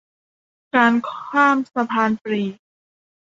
การข้ามสะพานฟรี